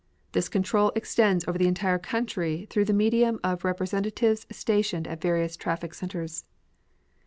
This control extends over the entire country through the medium of representatives stationed at various traffic centers.